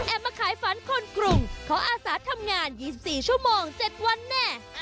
แอบมาขายฝันคนกรุงเค้าอาศาสตร์ทำงาน๒๔ชั่วโมง๗วันแน่